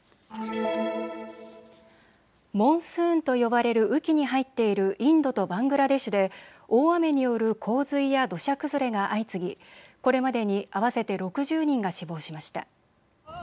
モンスーンと呼ばれる雨季に入っているインドとバングラデシュで大雨による洪水や土砂崩れが相次ぎこれまでに合わせて６０人が死亡しました。